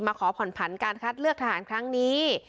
ขอผ่อนผันการคัดเลือกทหารครั้งนี้